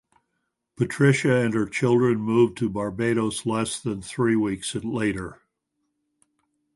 Patricia and her children moved to Barbados less than three weeks later.